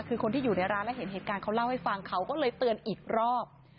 คือคนที่อยู่ในร้านและเห็นเหตุการณ์เขาเล่าให้ฟังเขาก็เลยเตือนอีกรอบ